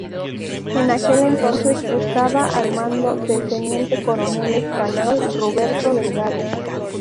En aquel entonces estaba al mando del teniente coronel español Roberto Delgado.